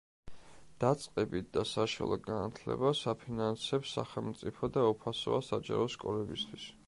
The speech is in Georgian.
დაწყებით და საშუალო განათლებას აფინანსებს სახელმწიფო და უფასოა საჯარო სკოლებისთვის.